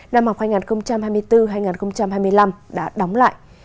năm học hai nghìn hai mươi bốn hai nghìn hai mươi năm đã đóng lại